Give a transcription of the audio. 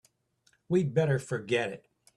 We'd better forget it.